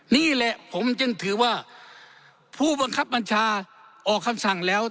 นี่แหละผมจึงถือว่าผู้บังคับบัญชาออกคำสั่งแล้ว